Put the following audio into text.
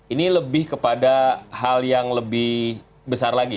ini lebih kepada hal yang lebih besar lagi